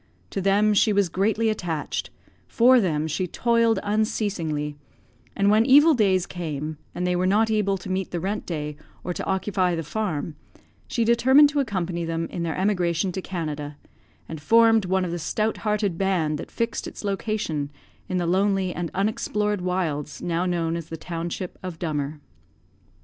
To them she was greatly attached for them she toiled unceasingly; and when evil days came, and they were not able to meet the rent day, or to occupy the farm, she determined to accompany them in their emigration to Canada, and formed one of the stout hearted band that fixed its location in the lonely and unexplored wilds now known as the township of Dummer.